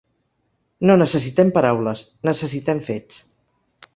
No necessitem paraules, necessitem fets.